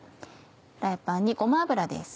フライパンにごま油です。